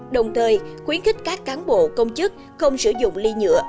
đồng thời khuyến khích các cán bộ công chức không sử dụng ly nhựa